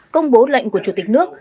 công bố lệnh của chủ tịch nước